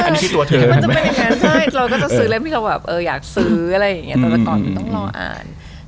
ไม่เราก็จะซื้อเล่นที่เราอยากซื้ออะไรอย่างงี้แต่ก่อนต้องรออ่าน